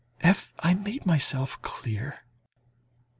Have I made myself clear?